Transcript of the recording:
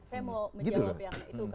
saya mau menjawab yang itu